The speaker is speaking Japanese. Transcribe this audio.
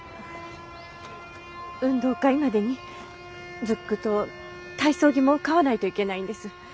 運動会までにズックと体操着も買わないといけないんです。